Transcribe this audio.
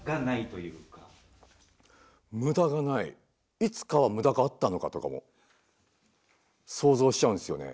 むだがないいつかはむだがあったのかとかも想像しちゃうんですよね。